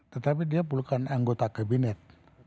tetapi dia bukan anggota kabinet